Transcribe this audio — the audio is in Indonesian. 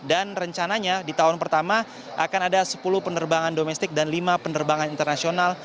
dan rencananya di tahun pertama akan ada sepuluh penerbangan domestik dan lima penerbangan internasional